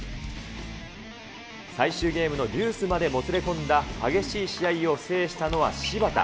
最終ゲームのデュースまでもつれ込んだ激しい試合を制したのは芝田。